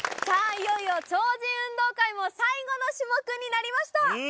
いよいよ超人運動会も最後の種目になりました。